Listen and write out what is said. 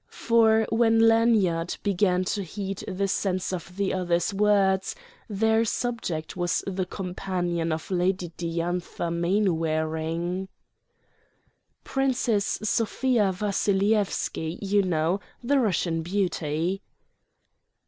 For when Lanyard began to heed the sense of the other's words, their subject was the companion of Lady Diantha Mainwaring. "... Princess Sofia Vassilyevski, you know, the Russian beauty."